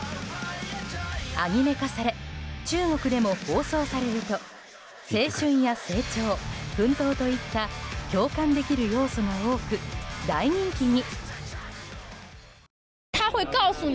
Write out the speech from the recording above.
アニメ化され中国でも放送されると青春や成長、奮闘といった共感できる要素が多く大人気に。